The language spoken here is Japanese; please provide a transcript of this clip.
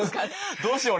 どうしよう俺。